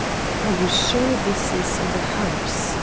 "Are you sure this is the house?"